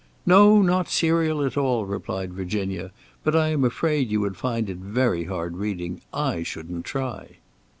"No, not serial at all!" replied Virginia; "but I am afraid you would find it very hard reading. I shouldn't try."